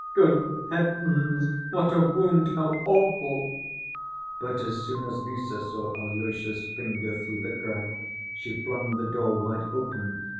"Good heavens, what a wound, how awful!" But as soon as Lise saw Alyosha's finger through the crack, she flung the door wide open.